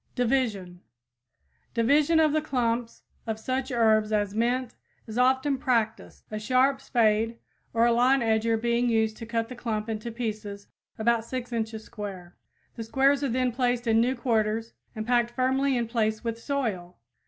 DIVISION Division of the clumps of such herbs as mint is often practiced, a sharp spade or a lawn edger being used to cut the clump into pieces about 6 inches square. The squares are then placed in new quarters and packed firmly in place with soil.